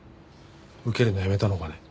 受けるのやめたのかね？